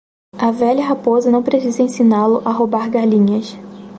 A velha raposa não precisa ensiná-lo a roubar galinhas.